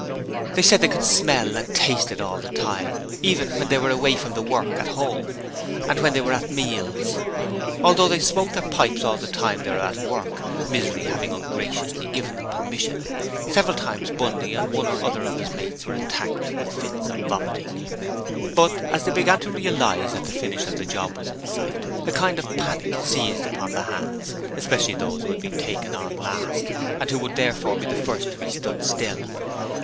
They said they could smell and taste it all the time, even when they were away from the work at home, and when they were at meals. Although they smoked their pipes all the time they were at work, Misery having ungraciously given them permission, several times Bundy and one or other of his mates were attacked with fits of vomiting. But, as they began to realize that the finish of the job was in sight, a kind of panic seized upon the hands, especially those who had been taken on last and who would therefore be the first to be 'stood still'.